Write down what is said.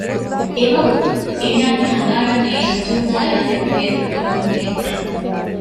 އެވަގުތު އޭނާގެ ހަނދާނަށް އައީ އަންޖޫދާ އާއެކު ހޭދަކުރެވުނު ރޭ